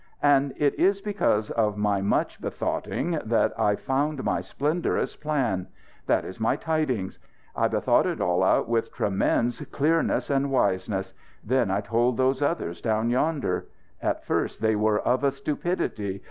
"And it is because of my much bethoughting that I found my splenderous plan. That is my tidings. I bethought it all out with tremense clearness and wiseness. Then I told those others, down yonder. At first they were of a stupidity.